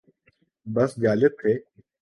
بس جالب تھے۔